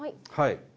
はい。